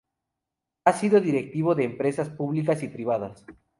Ha sido directivo de empresas públicas y privadas.